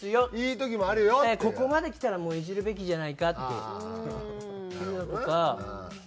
ここまできたらもうイジるべきじゃないかっていうのとか。